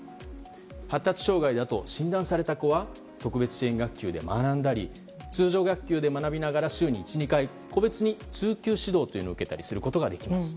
発達障害だと診断された子は特別支援学級で学んだり通常学級で学びながら週に１２回個別に通級指導というものを受けることができます。